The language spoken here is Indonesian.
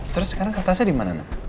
terus sekarang kartasnya dimana